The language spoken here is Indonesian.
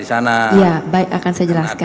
di sana ya baik akan saya jelaskan